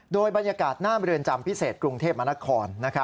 โดยบรรยากาศหน้าเรือนจำพิเศษกรุงเทพมนคร